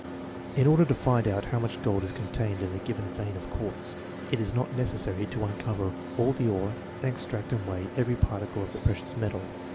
In order to find out how much gold is contained in a given vein of quartz it is not necessary to uncover all the ore and extract and weigh every particle of the precious metal.